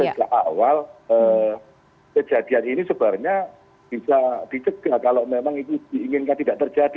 karena sejak awal kejadian ini sebenarnya bisa dicegah kalau memang itu diinginkan tidak terjadi